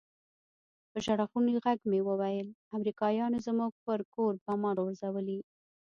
په ژړغوني ږغ مې وويل امريکايانو زموږ پر کور بمان غورځولي.